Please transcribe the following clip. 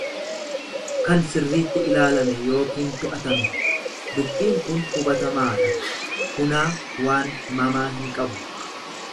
kan sirriitti ilaalame yookiin to'atame; Dubbiin kun hubatamaadha, hunaa waan mamaa hinqabu.